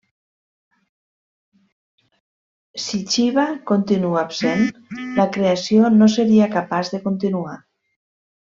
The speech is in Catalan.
Si Xiva continua absent, la creació no seria capaç de continuar.